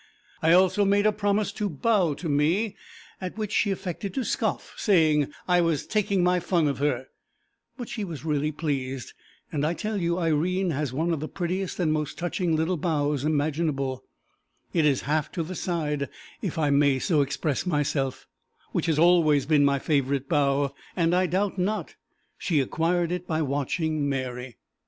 I also made her promise to bow to me, at which she affected to scoff, saying I was taking my fun of her, but she was really pleased, and I tell you, Irene has one of the prettiest and most touching little bows imaginable; it is half to the side (if I may so express myself), which has always been my favourite bow, and, I doubt not, she acquired it by watching Mary.